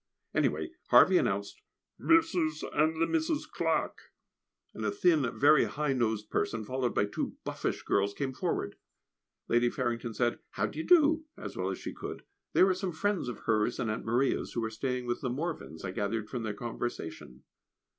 Anyway, Harvey announced "Mrs. and the Misses Clarke," and a thin, very high nosed person, followed by two buffish girls, came forward. Lady Farrington said, "How d'ye do?" as well as she could. They were some friends of hers and Aunt Maria's, who are staying with the Morverns, I gathered from their conversation.